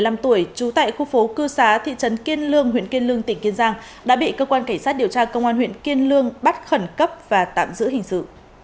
năm tuổi trú tại khu phố cư xá thị trấn kiên lương huyện kiên lương tỉnh kiên giang đã bị cơ quan cảnh sát điều tra công an huyện kiên lương bắt khẩn cấp và tạm giữ hình sự